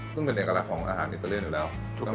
ซึ่งเป็นเอกลักษณ์ของอาหารอิตาเลียนอยู่แล้ว